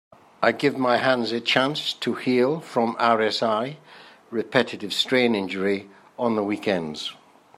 I give my hands a chance to heal from RSI (Repetitive Strain Injury) on the weekends.